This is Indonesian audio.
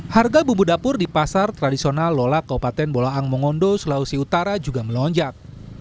harga bumbu dapur di pasar tradisional lola kaupaten bolaang mongondo sulawesi utara juga melonjak